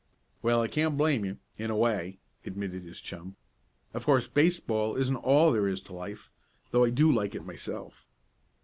"Well, I can't blame you in a way," admitted his chum. "Of course baseball isn't all there is to life, though I do like it myself."